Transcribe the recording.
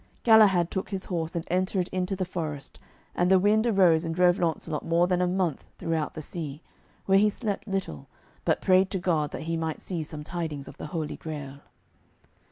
Galahad took his horse and entered into the forest, and the wind arose and drove Launcelot more than a month throughout the sea, where he slept little, but prayed to God that he might see some tidings of the Holy Grail.